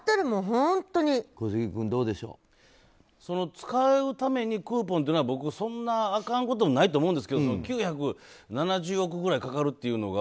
使うためにクーポンっていうのは僕そんなあかんことないと思うんですけど９７０億ぐらいかかるというのが。